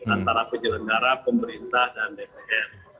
antara penyelenggara pemerintah dan dpr